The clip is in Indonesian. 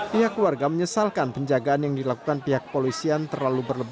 pihak keluarga menyesalkan penjagaan yang dilakukan pihak polisian terlalu berlebihan